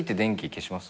消します？